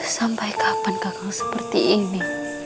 sampai kapan kang seperti ini